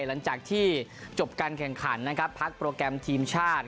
หลังจากที่จบการแข่งขันนะครับพักโปรแกรมทีมชาติ